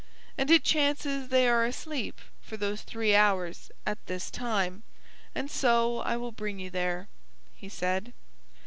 And it chances they are asleep for those three hours at this time; and so I will bring you there," he said.